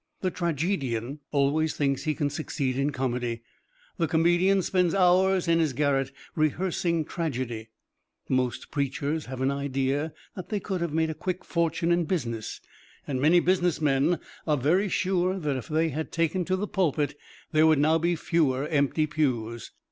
The tragedian always thinks he can succeed in comedy; the comedian spends hours in his garret rehearsing tragedy; most preachers have an idea that they could have made a quick fortune in business, and many businessmen are very sure that if they had taken to the pulpit there would now be fewer empty pews.